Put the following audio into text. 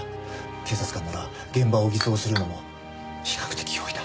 警察官なら現場を偽装するのも比較的容易だ。